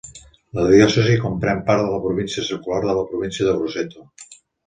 La diòcesi comprèn part de la província secular de província de Grosseto.